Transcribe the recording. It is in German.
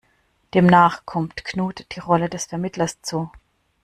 Demnach kommt Knut die Rolle des Vermittlers zu.